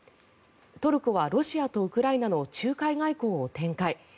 トルコはロシアとウクライナの仲介外交を展開